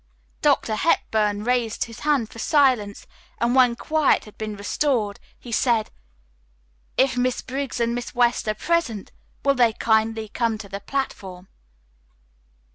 Dr. Hepburn raised his hand for silence, and when quiet had been restored he said, "If Miss Briggs and Miss West are present, will they kindly come to the platform?"